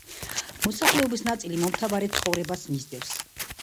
მოსახლეობის ნაწილი მომთაბარე ცხოვრებას მისდევს.